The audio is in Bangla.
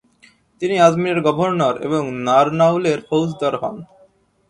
তিনি আজমিরের গভর্নর এবং নারনাউলের ফৌজদার হন।